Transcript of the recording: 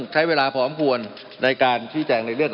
มันมีมาต่อเนื่องมีเหตุการณ์ที่ไม่เคยเกิดขึ้น